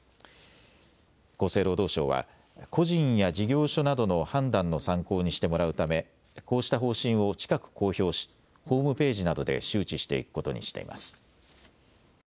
厚生労働省は個人や事業所などの判断の参考にしてもらうためこうした方針を近く公表しホームページなどで周知していくことにしています。